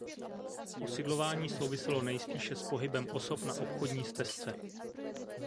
Osidlování souviselo nejspíše s pohybem osob na obchodní stezce.